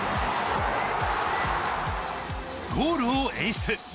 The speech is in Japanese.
ゴールを演出。